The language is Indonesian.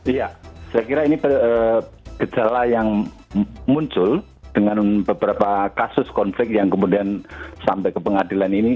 iya saya kira ini gejala yang muncul dengan beberapa kasus konflik yang kemudian sampai ke pengadilan ini